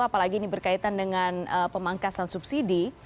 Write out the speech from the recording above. apalagi ini berkaitan dengan pemangkasan subsidi